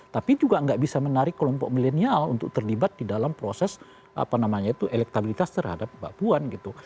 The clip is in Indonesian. tapi juga nggak bisa menarik kelompok milenial untuk terlibat di dalam proses apa namanya itu elektabilitas terhadap mbak puan gitu